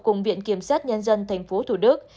cùng viện kiểm sát nhân dân thành phố thủ đức